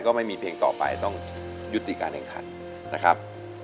ก็ไม่มีเพลงต่อไปต้องยุติการแข่งขันนะครับ